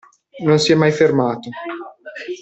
Non si è mai fermato.